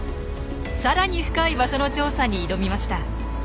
さらに深い場所の調査に挑みました。